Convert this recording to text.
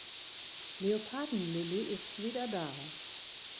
Leoparden Lilly ist wieder da.